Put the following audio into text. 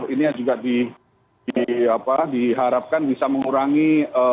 ini juga diharapkan bisa mengurangi